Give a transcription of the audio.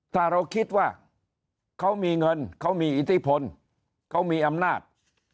ถ้าเราคิดว่าเขามีเงินเขามีอิทธิพลเขามีอำนาจ